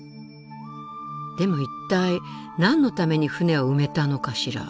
でも一体何のために船を埋めたのかしら？